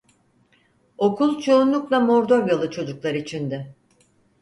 Okul çoğunlukla Mordovyalı çocuklar içindi.